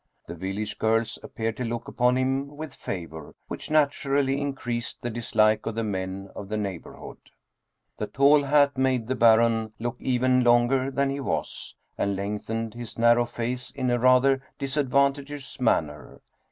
The village girls appeared to look upon him with favor, which naturally increased the dislike of the men of the neighborhood. The tall hat made the Baron look even longer than he was, and lengthened his narrow face in a rather disadvan tageous manner.